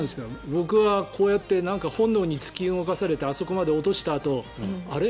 僕はこうやって本能に突き動かされてあそこまで落としたあとあれ？